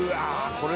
これ。